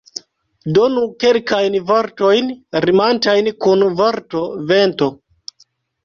Donu kelkajn vortojn rimantajn kun vorto vento.